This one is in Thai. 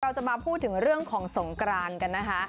เราจะมาพูดถึงเรื่องของสงกรานกันนะคะ